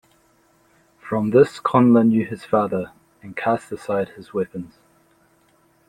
From this Connla knew his father, and cast aside his weapons.